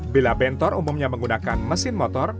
bila bentor umumnya menggunakan mesin motor